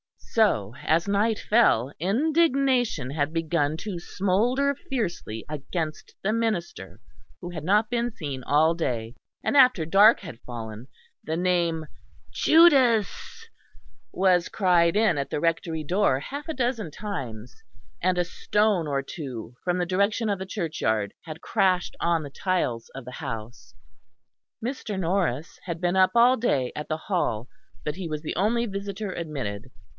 So as night fell, indignation had begun to smoulder fiercely against the minister, who had not been seen all day; and after dark had fallen the name "Judas" was cried in at the Rectory door half a dozen times, and a stone or two from the direction of the churchyard had crashed on the tiles of the house. Mr. Norris had been up all day at the Hall, but he was the only visitor admitted.